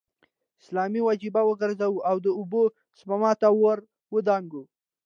اسلامي وجیبه وګرځو او د اوبو سپما ته ور ودانګو.